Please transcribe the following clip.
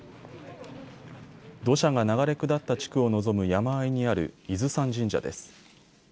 土砂が流れ下った地区を臨む山あいにある伊豆山神社です。